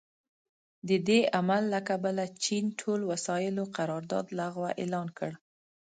د دې عمل له کبله چین ټول وسايلو قرارداد لغوه اعلان کړ.